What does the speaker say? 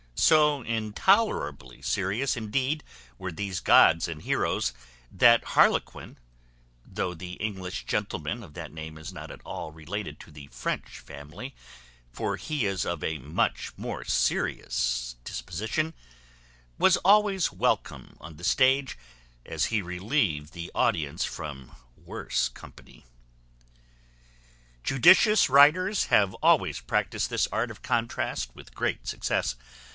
So intolerably serious, indeed, were these gods and heroes, that harlequin (though the English gentleman of that name is not at all related to the French family, for he is of a much more serious disposition) was always welcome on the stage, as he relieved the audience from worse company. Judicious writers have always practised this art of contrast with great success.